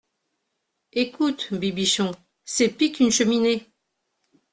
Ecoute, Bibichon, c'est pis qu'une cheminée !